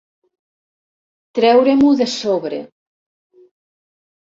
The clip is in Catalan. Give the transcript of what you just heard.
Treure-m'ho de sobre.